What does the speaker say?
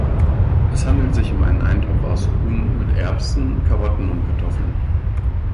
Es handelt sich um einen Eintopf aus Huhn mit Erbsen, Karotten und Kartoffeln.